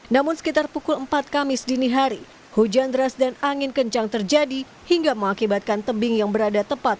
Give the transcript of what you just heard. namun sekitar pukul empat kamis dini hari hujan deras dan angin kencang terjadi hingga mengakibatkan tebing yang berada tepat